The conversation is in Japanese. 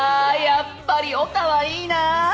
やっぱりオタはいいなあ。